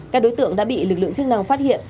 các đối tượng đã bị lực lượng chức năng phát hiện